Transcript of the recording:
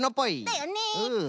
だよね。